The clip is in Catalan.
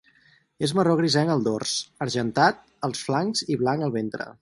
És marró grisenc al dors, argentat als flancs i blanc al ventre.